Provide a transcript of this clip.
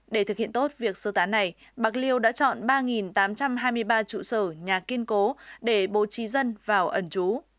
để thực hiện tốt việc sơ tán này bạc liêu đã chọn ba tám trăm hai mươi ba trụ sở nhà kiên cố để bố trí dân vào ẩn trú